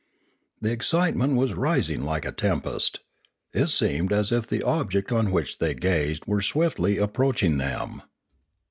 The excitement was rising like a tempest. It seemed as if the object on which they gazed were swiftly approaching them.